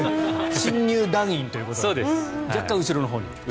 新入団員ということで後ろのほうにいると。